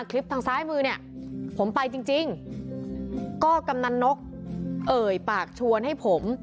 คลิปทางซ้ายมือเนี่ยผมไปจริงจริงก็กำนันนกเอ่ยปากชวนให้ผม